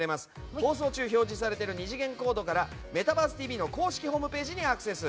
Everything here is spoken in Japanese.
放送中表示されている２次元コードから「メタバースＴＶ！！」の公式ホームページにアクセス。